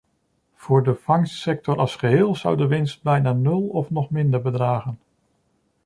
Voor de vangstsector als geheel zou de winst bijna nul of nog minder bedragen.